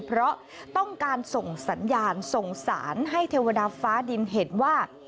เพราะต้องการส่งสัญญาณส่งสารให้เทวดาฟ้าดินเห็นว่า